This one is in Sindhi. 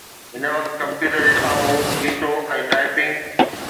هن وقت ڪمپيوٽر جي سامهون بيٺو ۽ ٽائپنگ